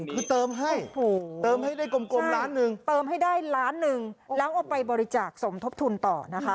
คือเติมให้เติมให้ได้กลมล้านหนึ่งเติมให้ได้ล้านหนึ่งแล้วเอาไปบริจาคสมทบทุนต่อนะคะ